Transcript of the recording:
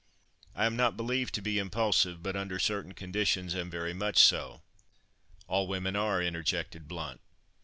I am not believed to be impulsive, but, under certain conditions, am very much so." "All women are," interjected Blount.